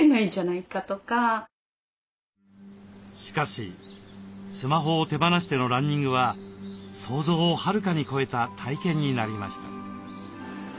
しかしスマホを手放してのランニングは想像をはるかに超えた体験になりました。